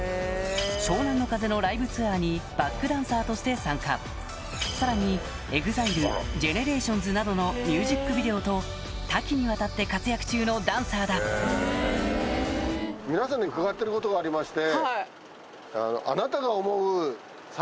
湘南乃風のライブツアーにバックダンサーとして参加さらにＥＸＩＬＥＧＥＮＥＲＡＴＩＯＮＳなどのミュージックビデオと多岐にわたって活躍中のダンサーだがあって。